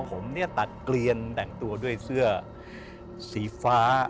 ผมเนี่ยตัดเกลียนแต่งตัวด้วยเสื้อสีฟ้า